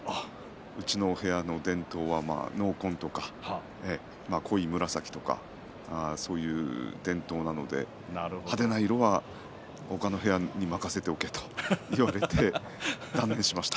うちのお部屋の伝統は濃紺とか濃い紫とかそういう伝統なので派手な色は他の部屋に任せておけと言われて断念しました。